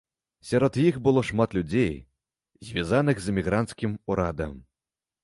Сярод іх было шмат людзей, звязаных з эмігранцкім урадам.